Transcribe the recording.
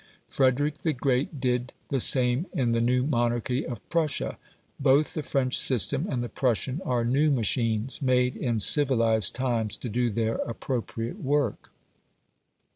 Frederick the Great did the same in the new monarchy of Prussia. Both the French system and the Prussian are new machines, made in civilised times to do their appropriate work.